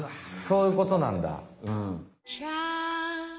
そういうことなんだうん。